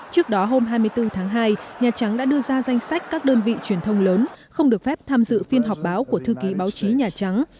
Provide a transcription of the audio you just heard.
trước đó hôm hai mươi bốn tháng hai nhà trắng đã đưa ra danh sách các đơn vị truyền thông lớn không được phép tham dự phiên họp báo của thư ký báo chí nhà trắng